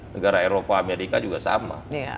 negara eropa amerika juga sama